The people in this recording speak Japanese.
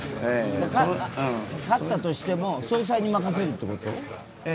勝ったとしても、総裁に任せるってこと？